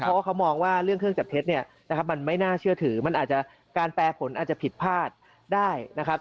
เพราะว่าเขามองว่าเรื่องเครื่องจับเท็จเนี่ยนะครับมันไม่น่าเชื่อถือมันอาจจะการแปรผลอาจจะผิดพลาดได้นะครับ